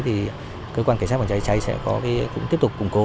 thì cơ quan cảnh sát phòng cháy chữa cháy sẽ tiếp tục củng cố